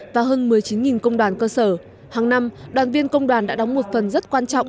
và hơn một mươi chín công đoàn cơ sở hàng năm đoàn viên công đoàn đã đóng một phần rất quan trọng